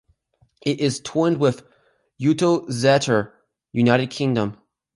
It is twinned with Uttoxeter, United Kingdom.